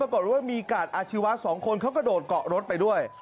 เพราะบอกว่ามีกาดอาชีวะสองคนเขาก็โดดเกาะรถไปด้วย